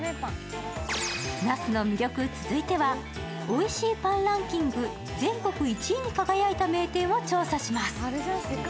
那須の魅力、続いてはおいしいパンランキング全国１位に輝いた名店を調査します。